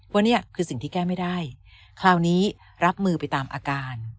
ว่านี่คือสิ่งที่แก้ไม่ได้คราวนี้รับมือไปตามอาการ